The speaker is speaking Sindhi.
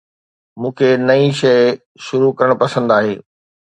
مون کي نئين شيء شروع ڪرڻ پسند آهي